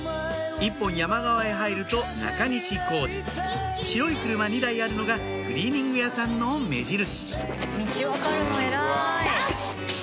１本山側へ入ると中西小路白い車２台あるのがクリーニング屋さんの目印チンチンチンチンダッ！